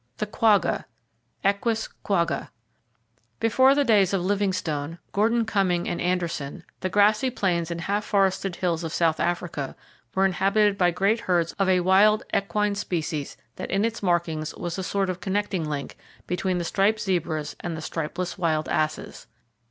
The Quagga, (Equus quagga). —Before the days of Livingstone, Gordon Cumming and Anderson, the grassy plains and half forested hills of South Africa were inhabited by great herds of a wild equine species that in its markings was a sort of connecting link between the striped zebras and the stripeless wild asses.